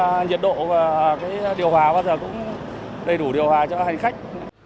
bây giờ cũng đầy đủ điều hòa cho hành khách